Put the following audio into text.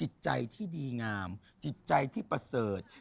ที่ดีงามจิตใจที่ประเสริฐ